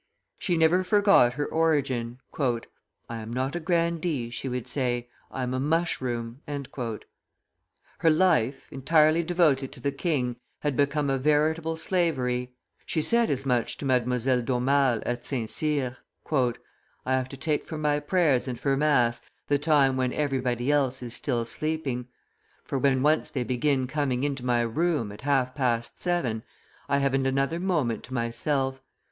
She never forgot her origin. "I am not a grandee," she would say; "I am a mushroom." Her life, entirely devoted to the king, had become a veritable slavery; she said as much to Mdlle. d'Aumale at St. Cyr. "I have to take for my prayers and for mass the time when everybody else is still sleeping. For, when once they begin coming into my room, at half past seven, I haven't another moment to myself.